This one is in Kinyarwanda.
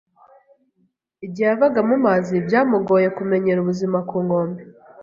Igihe yavaga mu mazi, byamugoye kumenyera ubuzima ku nkombe.